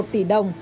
sáu một tỷ đồng